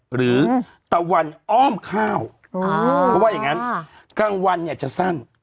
หรือตะวันอ้อมข้าวเพราะว่าอย่างงั้นกลางวันเนี่ยจะสั้น